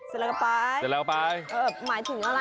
หมายถึงอะไร